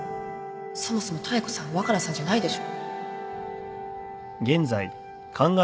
そもそも妙子さん若菜さんじゃないでしょ